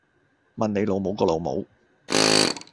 問你老母個老母